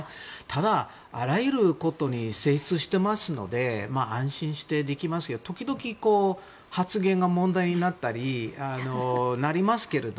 ただ、あらゆることに精通していますので安心してできますけど時々、発言が問題になりますが。